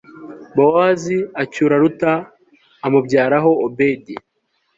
bowozi acyura ruta amubyaraho obedi